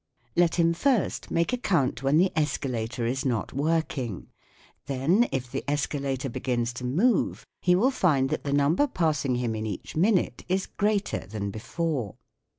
Let 78 THE WORLD OF SOUND him first make a count when the escalator is not working ; then if the escalator begins to move, he will find that the number passing him in each minute is greater than before.